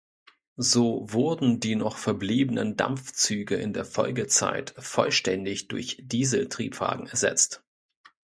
So wurden die noch verbliebenen Dampfzüge in der Folgezeit vollständig durch Dieseltriebwagen ersetzt.